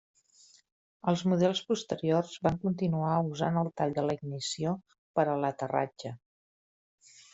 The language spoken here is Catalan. Els models posteriors van continuar usant el tall de la ignició per a l'aterratge.